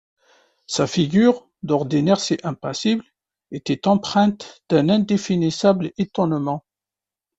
Sa figure, d’ordinaire si impassible, était empreinte d’un indéfinissable étonnement.